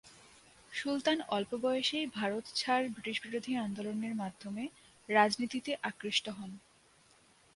সুলতান অল্প বয়সেই ভারত ছাড় ব্রিটিশবিরোধী আন্দোলনের মাধ্যমে রাজনীতিতে আকৃষ্ট হন।